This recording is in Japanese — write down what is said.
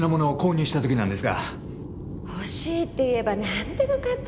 欲しいって言えばなんでも買ってくれるの彼。